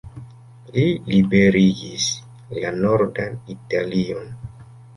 Li liberigis la nordan Italion.